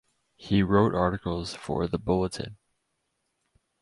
He wrote articles for "The Bulletin".